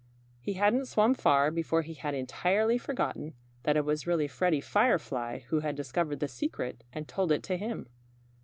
He hadn't swum far before he had entirely forgotten that it was really Freddie Firefly who had discovered the secret and told it to him.